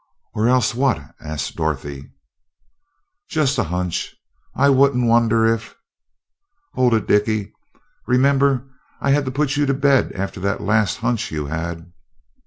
"Or else what?" asked Dorothy. "Just a hunch. I wouldn't wonder if " "Hold it, Dicky! Remember I had to put you to bed after that last hunch you had!"